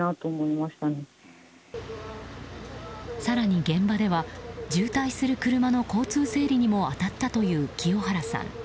更に現場では渋滞する車の交通整理にも当たったという清原さん。